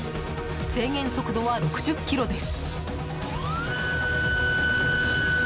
制限速度は６０キロです。